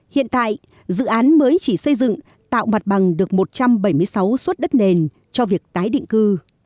hiện tại dự án mới chỉ xây dựng tạo mặt bằng được một trăm bảy mươi sáu suất đất nền cho việc tái định cư